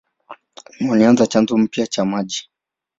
Walianzisha chanzo mpya cha maji.